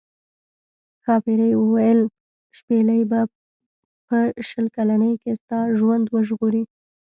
ښاپیرۍ وویل شپیلۍ به په شل کلنۍ کې ستا ژوند وژغوري.